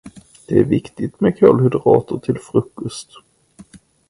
Det är viktigt med kolhydrater till frukost!